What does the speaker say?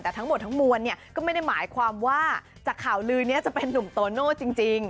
แต่ทั้งหมดทั้งมวลเนี่ยก็ไม่ได้หมายความว่าจากข่าวลือนี้จะเป็นนุ่มโตโน่จริง